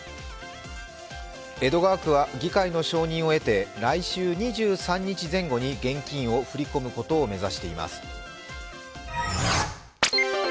江戸川区は議会の承認を得て、来週２３日前後に現金を振り込むことを目指しています。